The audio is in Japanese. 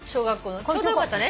ちょうどよかったね